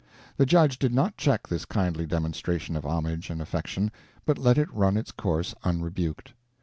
The judge did not check this kindly demonstration of homage and affection, but let it run its course unrebuked.